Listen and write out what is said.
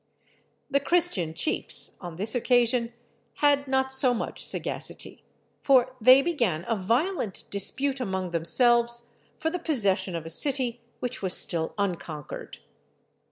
The Christian chiefs, on this occasion, had not so much sagacity, for they began a violent dispute among themselves for the possession of a city which was still unconquered.